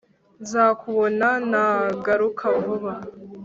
nzakubona nagaruka vuba